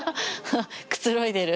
くつろいでる。